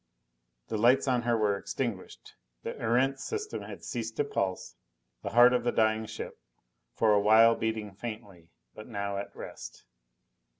The lights on her were extinguished. The Erentz system had ceased to pulse the heart of the dying ship, for a while beating faintly, but now at rest.